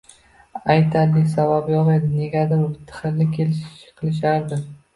Aytarli sabab yo`q edi, negadir tixirlik qilishardi